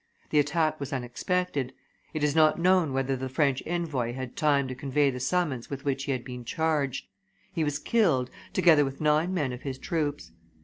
The attack was unexpected; it is not known whether the French envoy had time to convey the summons with which he had been charged; he was killed, together with nine men of his troops.